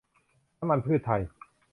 น้ำมันพืชไทย